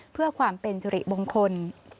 เพื่อความเป็นสิริมงคล